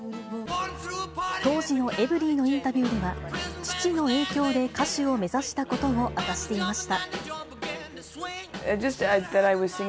当時のエブリィのインタビューでは、父の影響で歌手を目指したことを明かしていました。